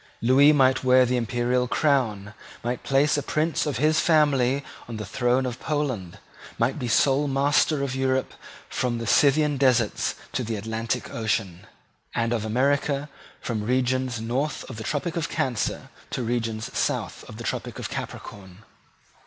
Lewis might wear the imperial crown, might place a prince of his family on the throne of Poland, might be sole master of Europe from the Scythian deserts to the Atlantic Ocean, and of America from regions north of the Tropic of Cancer to regions south of the Tropic of Capricorn.